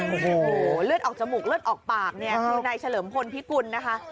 โอ้โหเลือดออกจมูกเลือดออกปากเนี่ยคือนายเฉลิมพลพิกุลนะคะ